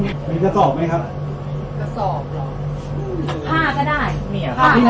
มีกระสอบไหมครับตะสอบหล่อผ้าก็ได้ผ้าไหม